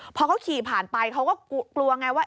พอเขาขี่ผ่านไปเขาก็กลัวไงว่า